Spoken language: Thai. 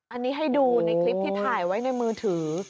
อันนี้ให้ดูในคลิปที่ถ่ายไว้ในมือถือ